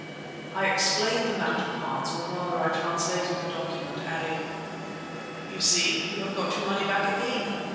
I explained the matter to Hans, or rather I translated the document, adding: "You see you have got your money back again.